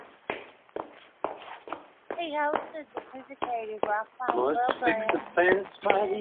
He also hosted the syndicated Rockline program.